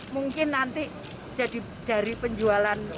mungkin nanti jadi dari penjualan